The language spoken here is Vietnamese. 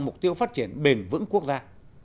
mục tiêu phát triển bền vững quốc gia